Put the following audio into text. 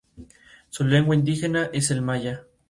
Su lengua indígena es el maya.